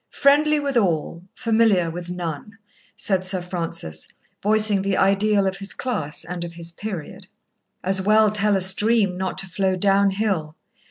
Friendly with all, familiar with none," said Sir Francis, voicing the ideal of his class and of his period. As well tell a stream not to flow downhill.